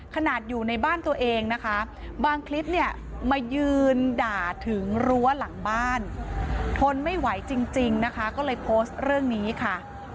ขนาดอยู่ในบ้านตัวเองนะคะบางคลิปเนี่ยมายืนด่าถึงรั้วหลังบ้านทนไม่ไหวจริงนะคะก็เลยโพสต์เรื่องนี้ค่ะ